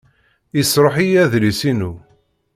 Yesṛuḥ-iyi adlis-inu.